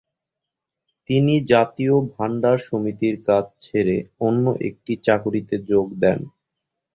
তিনি জাতীয় ভান্ডার সমিতির কাজ ছেড়ে অন্য একটি চাকুরীতে যোগ দেন।